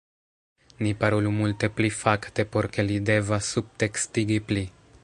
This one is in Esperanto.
Ni parolu multe pli fakte por ke li devas subtekstigi pli